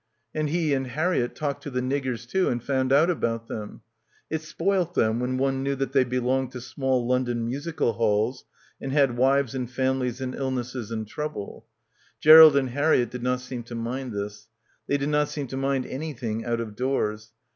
And he and Harriett talked to the niggers too and found out about them. It spoilt them when one knew that they belonged to small London musical halls, and had wives and families and ill nesses and trouble. Gerald and Harriett did not seem to mind this. They did not seem to mind anything out of doors.